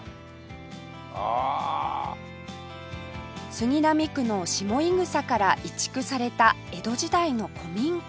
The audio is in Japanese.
杉並区の下井草から移築された江戸時代の古民家